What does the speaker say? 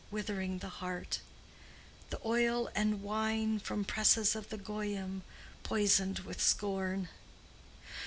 Withering the heart; The oil and wine from presses of the Goyim, Poisoned with scorn.